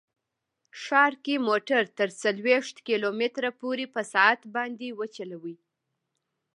ښار کې موټر تر څلوېښت کیلو متره پورې په ساعت باندې وچلوئ